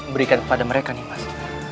berikan kepada mereka nih mas